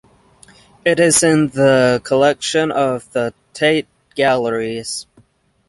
It is in the collection of the Tate galleries.